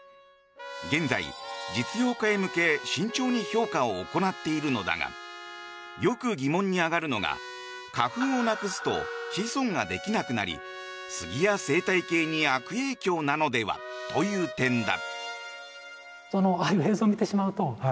現在、実用化へ向け慎重に評価を行っているのだがよく疑問に上がるのが花粉をなくすと子孫ができなくなりスギや生態系に悪影響なのでは？という点だ。